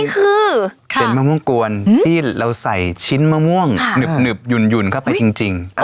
อันนี้คือค่ะเป็นมะม่วงกวนที่เราใส่ชิ้นมะม่วงค่ะหนึบหนึบหยุ่นหยุ่นเข้าไปจริงจริง